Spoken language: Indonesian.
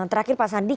terakhir pak sandi